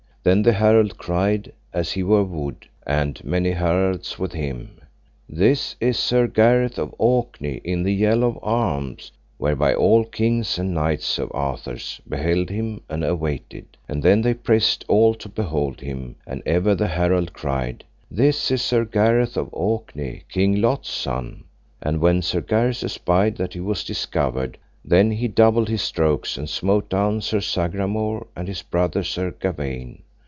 Then the herald cried as he were wood, and many heralds with him:—This is Sir Gareth of Orkney in the yellow arms; that by all kings and knights of Arthur's beheld him and awaited; and then they pressed all to behold him, and ever the heralds cried: This is Sir Gareth of Orkney, King Lot's son. And when Sir Gareth espied that he was discovered, then he doubled his strokes, and smote down Sir Sagramore, and his brother Sir Gawaine.